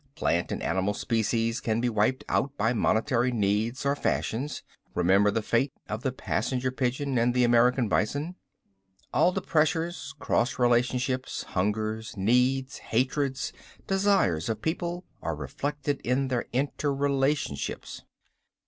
Plant and animal species can be wiped out by momentary needs or fashions. Remember the fate of the passenger pigeon and the American bison. "All the pressures, cross relationships, hungers, needs, hatreds, desires of people are reflected in their interrelationships.